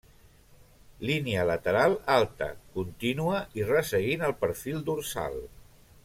Línia lateral alta, contínua i resseguint el perfil dorsal.